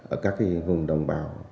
ở các hùng đồng bào